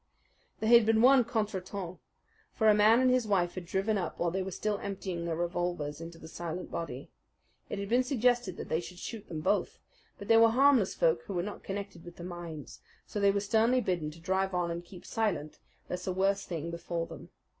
There had been one contretemps; for a man and his wife had driven up while they were still emptying their revolvers into the silent body. It had been suggested that they should shoot them both; but they were harmless folk who were not connected with the mines, so they were sternly bidden to drive on and keep silent, lest a worse thing befall them.